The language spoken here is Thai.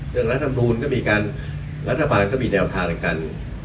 เรื่องรัฐธรรมดูลก็มีกันรัฐธรรมานก็มีแดวทางทางกัน